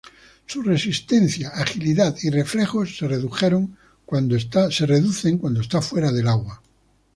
Su resistencia, agilidad, y reflejos se redujeron cuando está fuera del agua.